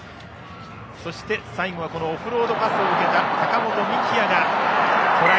そして、最後はオフロードパスを受けた高本幹也のトライ。